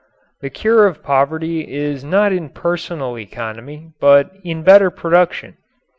The cure of poverty is not in personal economy but in better production.